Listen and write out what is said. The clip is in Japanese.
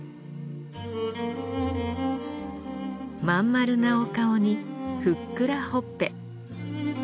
まん丸なお顔にふっくらほっぺ。